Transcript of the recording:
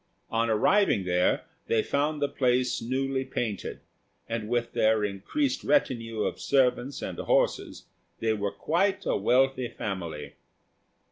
On arriving there, they found the place newly painted, and with their increased retinue of servants and horses, they were quite a wealthy family.